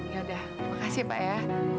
yaudah makasih pak ya